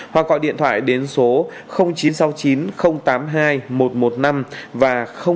hoặc gọi điện thoại đến số chín trăm sáu mươi chín tám mươi hai một trăm một mươi năm và chín trăm bốn mươi chín ba trăm chín mươi sáu một trăm một mươi năm